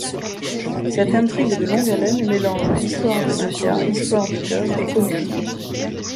Cette intrigue de longue haleine mélange histoires de mafia, histoires de cœur et comédie.